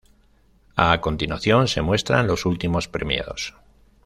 A continuación se muestran los últimos premiados.